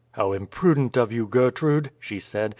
"How imprudent of you, Gertrude!" she said.